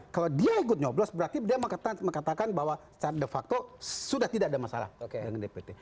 kalau dia ikut nyoblos berarti dia mengatakan bahwa secara de facto sudah tidak ada masalah dengan dpt